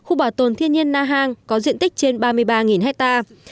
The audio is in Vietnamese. khu bảo tồn thiên nhiên na hàng có diện tích trên ba mươi ba hectare